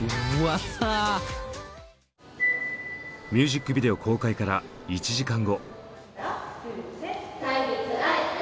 ミュージックビデオ公開から１時間後。